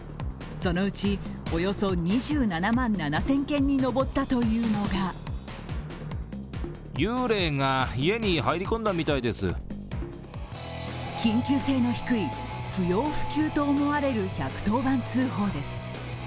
そのうち、およそ２７万７０００件に上ったというのが緊急性の低い、不要不急と思われる１１０番通報です。